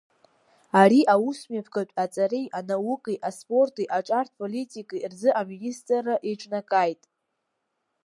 Ари аусмҩаԥгатә аҵареи анаукеи аспорти аҿартә политкеи рзы Аминистрра еиҿнакааит.